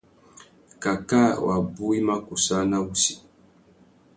Cacā wabú i má kussāna wussi.